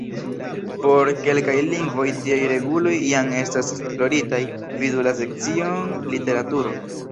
Por kelkaj lingvoj tiaj reguloj jam estas esploritaj, vidu la sekcion "literaturo".